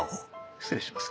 失礼します。